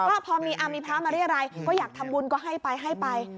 ก็พอมีพระมาเรียรัยก็อยากทำบุญก็ให้ไปให้ไป